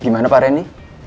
gimana pak reni